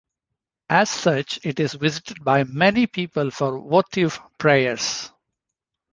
As such it is visited by many people for votive prayers.